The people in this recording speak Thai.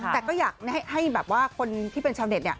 แต่ก็อยากให้คนที่เป็นชาวเด็ดเนี่ย